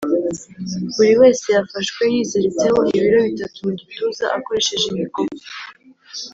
buri wese yafashwe yiziritseho ibiro bitatu mu gituza akoresheje imikoba